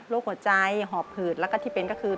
หัวใจหอบหืดแล้วก็ที่เป็นก็คือ